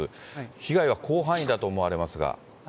被害は広範囲だと思われますが。